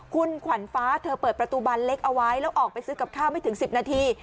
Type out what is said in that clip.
คุณขวัญฟ้าเธอเปิดประตูบานเล็กเอาไว้แล้วออกไปซื้อกับข้าวไม่ถึง๑๐นาที